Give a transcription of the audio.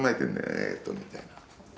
えーっとみたいな。